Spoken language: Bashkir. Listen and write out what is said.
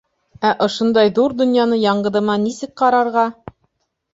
Ә ошондай ҙур донъяны яңғыҙыма нисек ҡарарға?